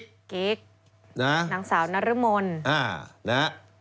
กิ๊กนางสาวนรมนนะฮะ